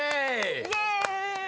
イェーイ！